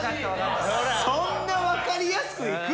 そんな分かりやすくいく？